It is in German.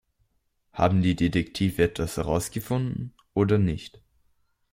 Haben die Detektive etwas herausgefunden oder nicht?